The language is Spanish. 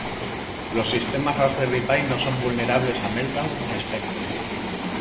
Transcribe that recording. Los sistemas Raspberry Pi no son vulnerables a Meltdown ni a Spectre.